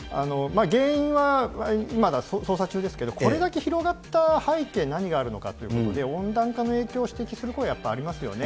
原因はまだ捜査中ですけれども、これだけ広がった背景、何があるかということで、温暖化の影響を指摘する声、やっぱりありますよね。